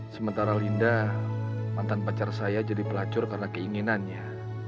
sementara linda mantan pacar saya jadi pelacur karena keinginannya